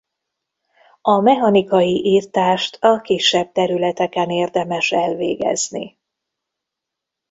A mechanikai irtást a kisebb területeken érdemes elvégezni.